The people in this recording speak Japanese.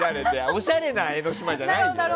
おしゃれな江の島じゃないよ。